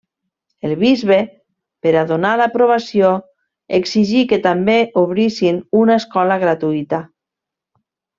El bisbe, per a donar l'aprovació, exigí que també obrissin una escola gratuïta.